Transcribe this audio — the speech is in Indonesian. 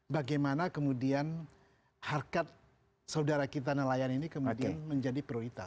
bagaimana kemudian harkat saudara kita nelayan ini kemudian menjadi prioritas